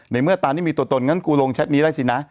ในเมื่อตานี่มีตัวตนงั้นกูลงแชทนี้ได้สินะ